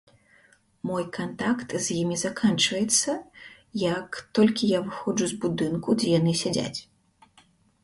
Мой кантакт з імі заканчваецца, як толькі я выходжу з будынку, дзе яны сядзяць.